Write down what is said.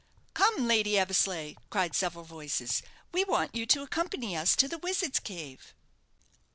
"Come, Lady Eversleigh," cried several voices; "we want you to accompany us to the Wizard's Cave."